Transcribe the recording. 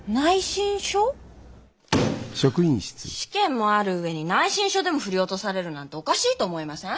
試験もある上に内申書でも振り落とされるなんておかしいと思いません？